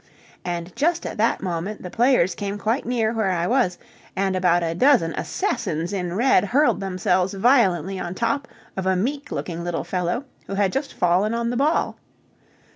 And just at that moment the players came quite near where I was, and about a dozen assassins in red hurled themselves violently on top of a meek looking little fellow who had just fallen on the ball.